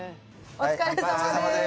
お疲れさまです。